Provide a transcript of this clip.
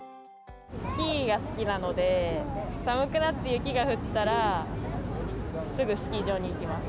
スキーが好きなので、寒くなって雪が降ったら、すぐスキー場に行きます。